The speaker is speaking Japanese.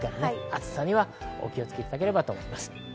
暑さにはお気をつけいただければと思います。